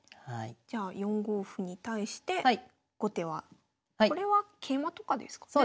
じゃあ４五歩に対して後手はこれは桂馬とかですかね。